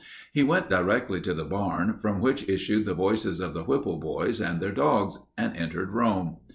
He went directly to the barn, from which issued the voices of the Whipple boys and their dogs, and entered Rome.